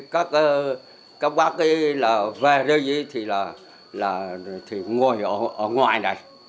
các bác ấy là về đây thì là ngồi ở ngoài này